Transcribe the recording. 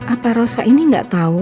apa rosa ini gak tahu